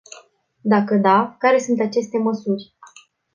Dacă da, care sunt aceste măsuri?